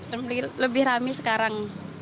kalau tahun lalu tutup atau lebaran